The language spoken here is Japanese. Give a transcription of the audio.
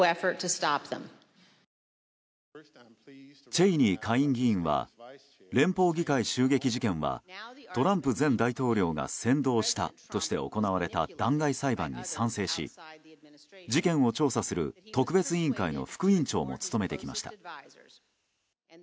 チェイニー下院議員は連邦議会襲撃事件はトランプ前大統領が扇動したとして行われた弾劾裁判に賛成し事件を調査する特別委員会の副委員長も務めてきました。